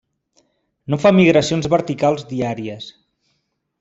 No fa migracions verticals diàries.